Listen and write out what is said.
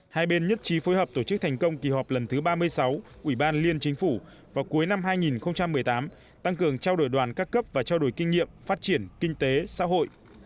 hai bên nhất trí phối hợp tổ chức thành công kỳ họp lần thứ ba mươi sáu ủy ban liên chính phủ vào cuối năm hai nghìn một mươi tám tăng cường trao đổi đoàn các cấp và trao đổi kinh nghiệm phát triển kinh tế xã hội